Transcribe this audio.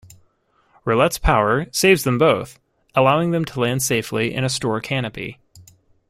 Roulette's power saves them both, allowing them to land safely in a store canopy.